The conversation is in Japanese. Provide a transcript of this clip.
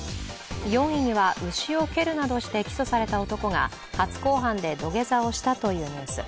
４位には牛を蹴るなどして起訴された男が初公判で土下座をしたというニュース。